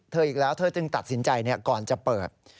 เธออีกแล้วเธอจึงตัดสินใจเนี่ยก่อนจะเปิด